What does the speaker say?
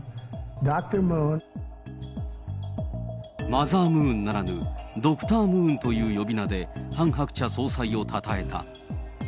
マザームーンならぬ、ドクタームーンという呼び名で、ハン・ハクチャ総裁をたたえた。